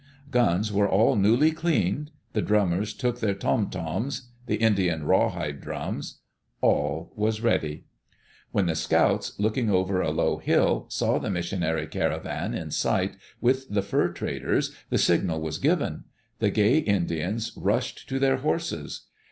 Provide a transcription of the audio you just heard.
Guns were all newly cleaned. The drummers took their tom toms — the Indian rawhide drums. All was ready. When the scouts, looking over a low hill, saw the mis sionary caravan in sight, with the fur traders, the signal was given. The gay Indians rushed to their horses.